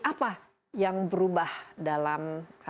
apa yang berubah dalam